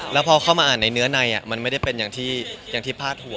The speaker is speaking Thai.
แล้วพอเข้ามาอ่านในเนื้อในมันไม่ได้เป็นอย่างที่พาดหัว